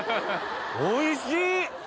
おいしい！